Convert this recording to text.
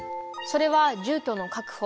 それは住居の確保